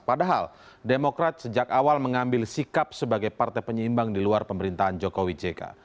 padahal demokrat sejak awal mengambil sikap sebagai partai penyeimbang di luar pemerintahan jokowi jk